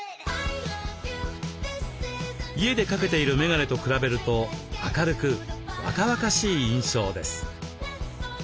家で掛けているメガネと比べると明るく若々しい印象です。